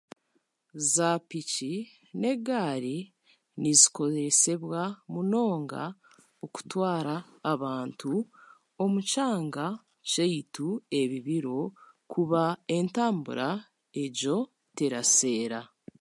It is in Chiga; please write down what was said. Zaapiiki n'egaari nizikozesebwa munonga okutwara abantu omu kyanga kyaitu ebi biro kuba entambura egyo teraseera.